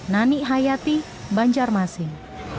nani hayati banjarmasin